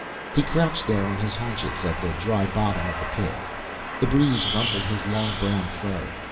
He crouched there on his haunches, at the dry bottom of the Pit. The breeze rumpled his long, brown fur.